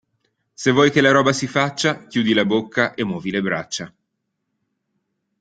Se vuoi che la roba si faccia, chiudi la bocca e muovi le braccia.